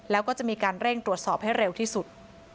แล้วก็จะมีการเร่งตรวจสอบให้เร็วที่สุด